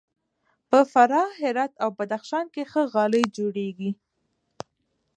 په فراه، هرات او بدخشان کې ښه غالۍ جوړیږي.